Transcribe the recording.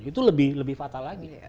itu lebih fatal lagi